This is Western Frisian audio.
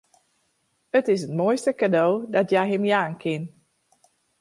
It is it moaiste kado dat hja him jaan kin.